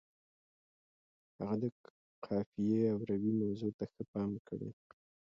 هغه د قافیې او روي موضوع ته ښه پام کړی.